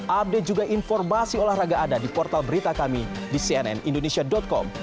update juga informasi olahraga anda di portal berita kami di cnnindonesia com